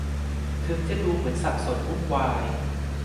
ถึงจะดูเหมือนสับสนวุ่นวาย